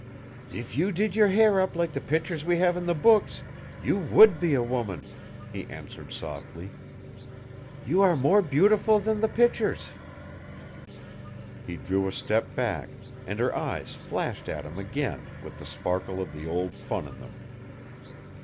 "If you did your hair up like the pictures we have in the books, you would be a woman," he answered softly. "You are more beautiful than the pictures!" He drew a step back, and her eyes flashed at him again with the sparkle of the old fun in them.